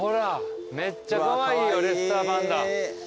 めっちゃカワイイよレッサーパンダ。